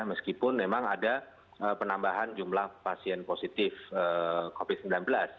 meskipun memang ada penambahan jumlah pasien positif covid sembilan belas